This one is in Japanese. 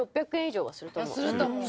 すると思う。